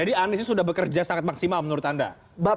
jadi aniesnya sudah bekerja sangat maksimal menurut anda